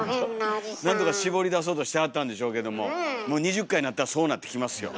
なんとか絞り出そうとしてはったんでしょうけどももう２０回なったらそうなってきますよ。